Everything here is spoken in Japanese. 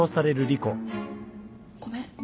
ごめん。